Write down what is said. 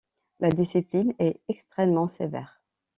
La discipline est extrêmement sévère.